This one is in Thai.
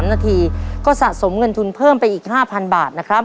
ครอบครัวของแม่ปุ้ยจากจังหวัดสะแก้วนะครับ